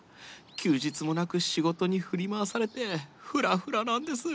休日もなく仕事に振り回されてフラフラなんです。